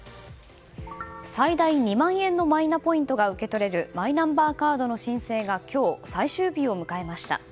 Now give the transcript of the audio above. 最大２万円のマイナポイントが受け取れるマイナンバーカードの申請が今日最終日を迎えました。